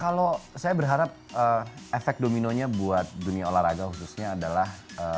kalau saya berharap efek dominonya buat dunia olahraga khususnya adalah